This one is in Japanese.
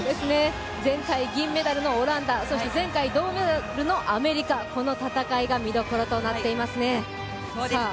前回銀メダルのオランダ、前回銅メダルのアメリカ、この戦いが見どころとなっていますね。